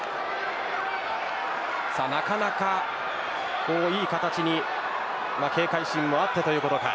なかなかいい形に警戒心もあってということか。